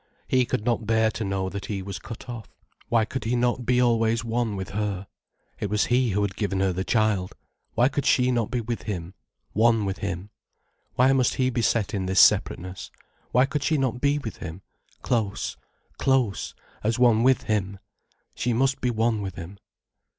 He could not bear to know that he was cut off. Why could he not be always one with her? It was he who had given her the child. Why could she not be with him, one with him? Why must he be set in this separateness, why could she not be with him, close, close, as one with him? She must be one with him.